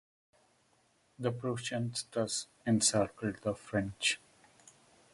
The Prussians thus encircled the French.